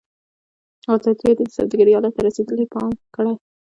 ازادي راډیو د سوداګري حالت ته رسېدلي پام کړی.